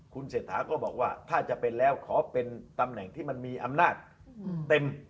คุณเศรษฐาก็บอกว่าถ้าจะเป็นแล้วขอเป็นตำแหน่งที่มันมีอำนาจเต็ม